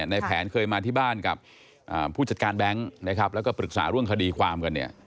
ในแผนเคยมาที่บ้านกับผู้จัดการแบงค์นะครับแล้วก็ปรึกษาเรื่องคดีความกันเนี่ย